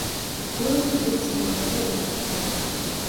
გრუნტი დიდ სიღრმეზე იყინება.